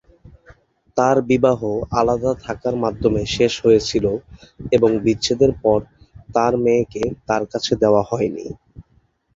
তাঁর বিবাহ আলাদা থাকার মাধ্যমে শেষ হয়েছিল এবং বিচ্ছেদের পর তাঁর মেয়েকে তাঁর কাছে দেওয়া হয়নি।